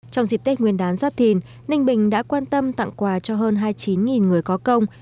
trong dịp tết nguyên đán giáp thìn ninh bình đã quan tâm tặng quà cho hơn hai mươi chín người có công